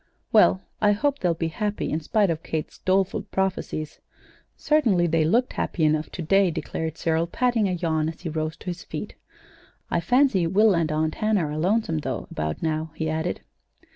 "Well, I hope they'll be happy, in spite of Kate's doleful prophecies. Certainly they looked happy enough to day," declared Cyril, patting a yawn as he rose to his feet. "I fancy Will and Aunt Hannah are lonesome, though, about now," he added.